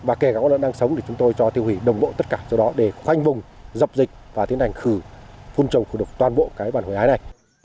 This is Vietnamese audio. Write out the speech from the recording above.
và kể cả con lợn đang sống thì chúng tôi cho tiêu hủy đồng bộ tất cả số đó để khoanh vùng dập dịch và tiến hành khử phun trồng khử độc toàn bộ cái bản hủy ái này